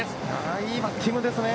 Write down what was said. いいバッティングですね。